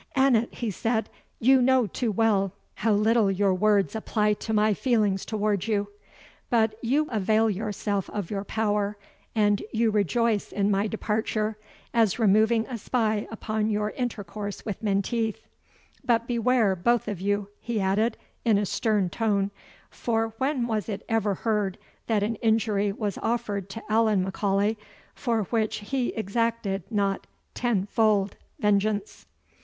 "Annot," he said, "you know too well how little your words apply to my feelings towards you but you avail yourself of your power, and you rejoice in my departure, as removing a spy upon your intercourse with Menteith. But beware both of you," he added, in a stern tone; "for when was it ever heard that an injury was offered to Allan M'Aulay, for which he exacted not tenfold vengeance?"